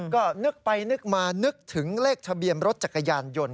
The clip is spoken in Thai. ก็นึกไปนึกมานึกถึงเลขทะเบียนรถจักรยานยนต์